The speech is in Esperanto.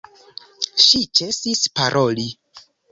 Ŝi ĉesis paroli.